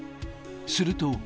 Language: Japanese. すると。